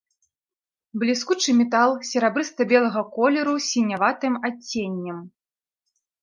Бліскучы метал серабрыста-белага колеру з сіняватым адценнем.